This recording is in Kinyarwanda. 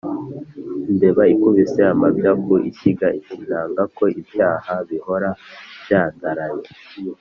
lmbeba ikubise amabya ku ishyiga iti nanga ko ibyaha bihora byandaraye.